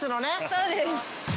◆そうです。